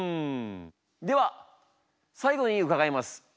では最後に伺います。